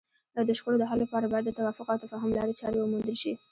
د شخړو د حل لپاره باید د توافق او تفاهم لارې چارې وموندل شي.